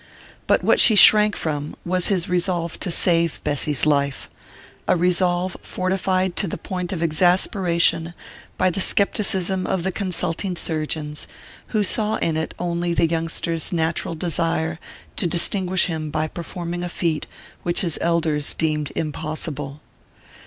But what she shrank from was his resolve to save Bessy's life a resolve fortified to the point of exasperation by the scepticism of the consulting surgeons, who saw in it only the youngster's natural desire to distinguish himself by performing a feat which his elders deemed impossible.